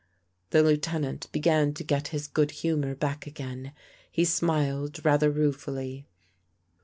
The Lieutenant began to get his good humor back again. He smiled rather ruefully.